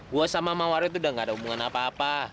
gue sama mawarud udah nggak ada hubungan apa apa